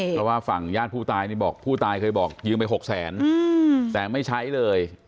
เพราะว่าฝั่งญาติผู้ตายนี่บอกผู้ตายเคยบอกยืมไป๖แสนแต่ไม่ใช้เลย